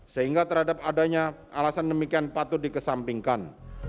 sehingga terhadap adanya alasan demikian patut dikesampingkan